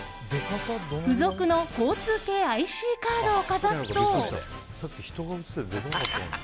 付属の交通系ＩＣカードをかざすと。